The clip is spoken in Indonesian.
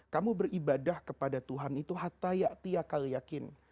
kamu beribadah kepada tuhan itu hatta yaktiakal yakin